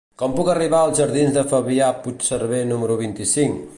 Com puc arribar als jardins de Fabià Puigserver número vint-i-cinc?